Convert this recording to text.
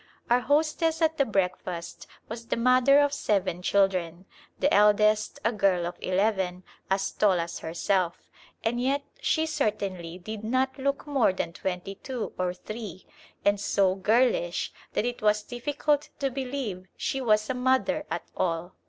Our hostess at the breakfast was the mother of seven children, the eldest a girl of eleven, as tall as herself, and yet she certainly did not look more than twenty two or three, and so girlish that it was difficult to believe she was a mother at all.